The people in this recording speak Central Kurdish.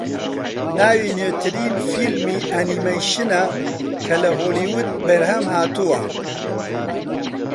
ناوی نوێترین فیلمی ئەنیمەیشنە کە لە هۆلیوود بەرهەمهاتووە